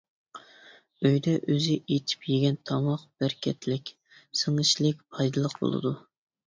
ئۆيدە ئۆزى ئېتىپ يېگەن تاماق بەرىكەتلىك، سىڭىشلىك، پايدىلىق بولىدۇ.